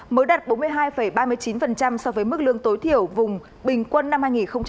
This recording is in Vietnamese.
mới đạt bốn mươi hai ba mươi chín so với mức lương tối thiểu vùng bình quân năm hai nghìn hai mươi